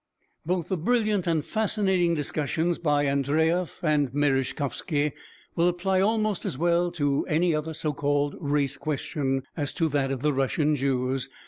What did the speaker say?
Both the brilliant and fascinating discussions by Andreyev and Merezhkovsky will apply almost as well to any other so called "race question" as to that of the Russian Jews.